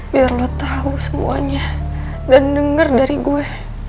biar lo tahu semuanya dan denger dari gue